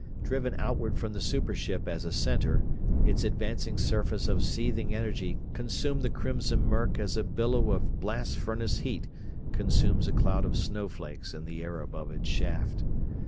Driven outward from the super ship as a center, its advancing surface of seething energy consumed the crimson murk as a billow of blast furnace heat consumes a cloud of snowflakes in the air above its shaft.